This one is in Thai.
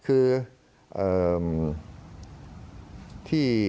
คืออ่าว